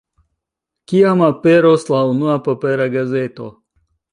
Kiam aperos la unua papera gazeto?